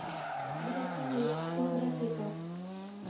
Brezales, tundra seca.